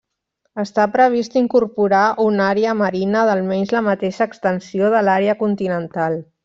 Està previst incorporar una àrea marina d'almenys la mateixa extensió de l'àrea continental.